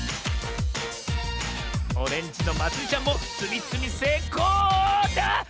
オレンジのまつりちゃんもつみつみせいこうあっ